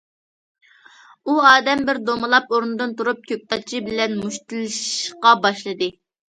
ئۇ ئادەم بىر دومىلاپ ئورنىدىن تۇرۇپ كۆكتاتچى بىلەن مۇشتلىشىشقا باشلىدى.